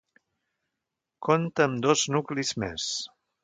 Compta amb dos nuclis més: